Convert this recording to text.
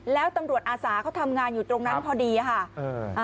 แล้วตำรวจอาสาเขาทำงานอยู่ตรงนั้นพอดีค่ะ